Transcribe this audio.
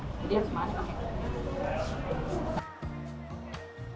jadi harus makan dengan baik